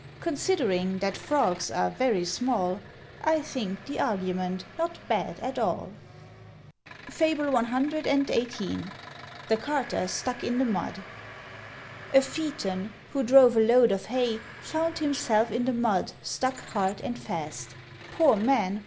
'" Considering that Frogs are very small, I think the argument not bad at all. FABLE CXVIII. THE CARTER STUCK IN THE MUD. A Phaeton, who drove a load of hay, Found himself in the mud stuck hard and fast: Poor man!